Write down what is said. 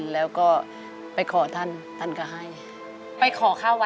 แล้วก็ไปขอที่ท่าน